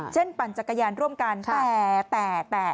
เช่นปั่นจักรยานร่วมกันแต่